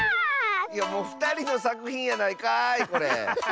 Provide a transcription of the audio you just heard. おふたりのさくひんやないかいこれ。